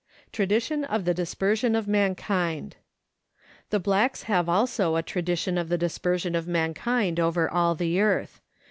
Tradition of the Dispersion of Mankind. The blacks have also a tradition of the dispersion of mankind over all the earth.